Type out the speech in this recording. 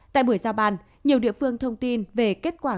tại buổi giao bàn nhiều địa phương thông tin về kết quả